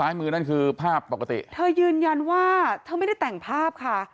มือนั่นคือภาพปกติเธอยืนยันว่าเธอไม่ได้แต่งภาพค่ะ